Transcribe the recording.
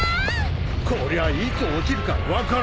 こりゃいつ落ちるか分からんぜよ。